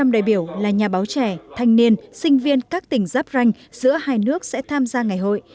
một trăm linh đại biểu là nhà báo trẻ thanh niên sinh viên các tỉnh giáp ranh giữa hai nước sẽ tham gia ngày hội